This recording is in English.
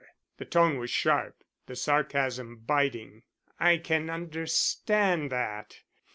The tone was sharp, the sarcasm biting. "I can understand that.